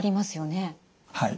はい。